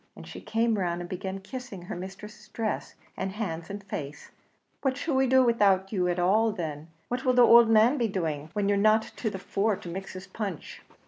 and she came round and began kissing her mistress's dress, and hands, and face, "What shall we do widout you at all then? what will the ould man be doing, when you're not to the fore to mix his punch?"